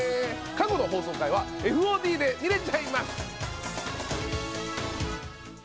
過去の放送回はＦＯＤで見れちゃいます。